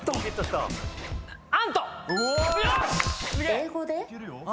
英語で？